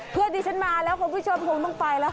เพื่อนที่ฉันมาแล้วคุณผู้ชมคงต้องไปแล้วค่ะ